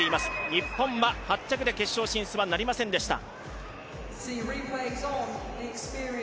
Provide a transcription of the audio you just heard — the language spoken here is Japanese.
日本は８着で、決勝進出はなりませんでした。